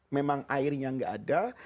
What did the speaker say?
memang airnya gak ada